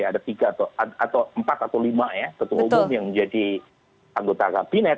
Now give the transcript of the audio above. ada empat atau lima ketua umum yang menjadi anggota kabinet